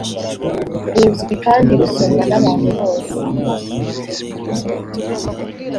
ruzwi kandi rusomwa n abantu bose